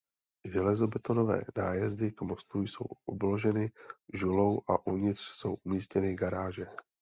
Železobetonové nájezdy k mostu jsou obloženy žulou a uvnitř jsou umístěny garáže.